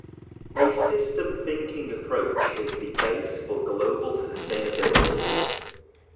A system thinking approach is the base for global sustainability.